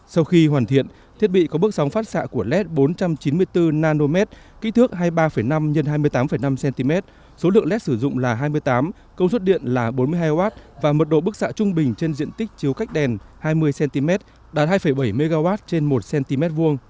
sau khi hoàn thiện thiết bị có bức sóng phát xạ của led bốn trăm chín mươi bốn nm kích thước hai mươi ba năm x hai mươi tám năm cm số lượng led sử dụng là hai mươi tám công suất điện là bốn mươi hai w và mật độ bức xạ trung bình trên diện tích chiếu cách đèn hai mươi cm đạt hai bảy mw trên một cm hai